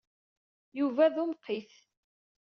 Yuba d umqit.